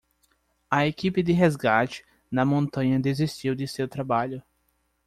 A equipe de resgate na montanha desistiu de seu trabalho.